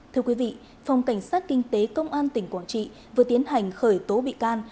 thưa quý vị phòng cảnh sát kinh tế công an tỉnh quảng trị vừa tiến hành khởi tố bị can